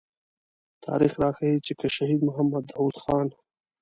تاريخ راښيي چې که شهيد محمد داود خان.